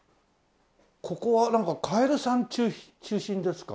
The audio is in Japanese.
ここはカエルさん中心ですか？